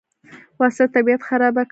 وسله طبیعت خرابه کړي